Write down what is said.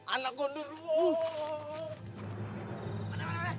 anak kondor luar